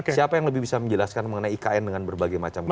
siapa yang lebih bisa menjelaskan mengenai ikn dengan berbagai macam bentuk